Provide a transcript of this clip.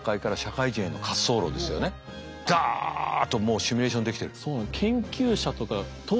ダッともうシミュレーションできてる。